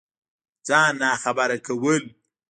ځان ناخبره كول